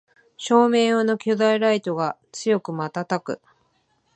照明用の巨大ライトが強くまたたく